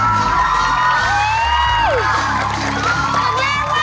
เต้นนะครับ